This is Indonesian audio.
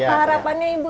apa harapannya ibu